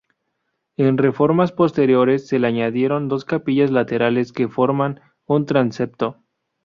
En reformas posteriores se le añadieron dos capillas laterales que forman un transepto.